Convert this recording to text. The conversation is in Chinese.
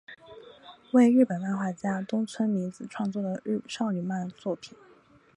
为日本漫画家东村明子创作的少女漫画作品。